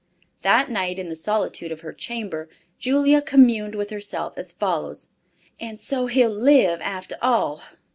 That night, in the solitude of her chamber, Julia communed with herself as follows: "And so he'll live after all.